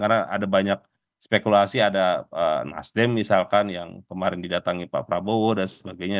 karena ada banyak spekulasi ada nasdem misalkan yang kemarin didatangi pak prabowo dan sebagainya